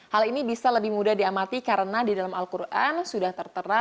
hal ini bisa lebih mudah diamati karena di dalam al quran sudah tertera